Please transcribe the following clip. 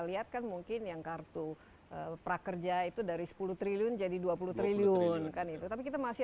lihat kan mungkin yang kartu prakerja itu dari sepuluh triliun jadi dua puluh triliun kan itu tapi kita masih